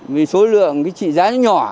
vì số lượng cái trị giá nó nhỏ